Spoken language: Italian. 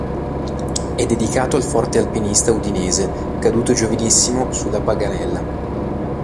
È dedicato al forte alpinista udinese caduto giovanissimo sulla Paganella.